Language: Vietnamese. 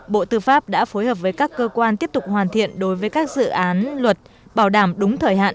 bộ tư pháp đã phối hợp với các cơ quan tiếp tục hoàn thiện đối với các dự án luật bảo đảm đúng thời hạn